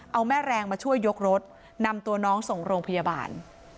เอาแม่แรงมาช่วยยกรถนำตัวน้องส่งโรงพยาบาล